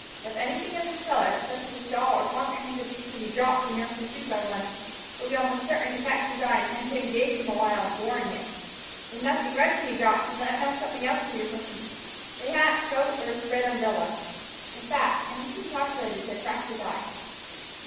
If anything of this colour, such as a shawl or pocket handkerchief can be dropped when you are pursued by one, it will be almost certain to catch his eye, and to engage him awhile in goring it. If nothing red can be dropped, then let him have something else from your person a hat, coat, or a spread umbrella in fact anything calculated to attract his eye."